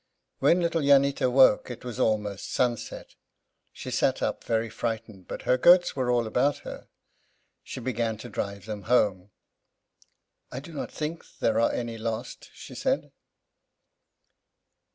When little Jannita awoke it was almost sunset. She sat up very frightened, but her goats were all about her. She began to drive them home. "I do not think there are any lost," she said.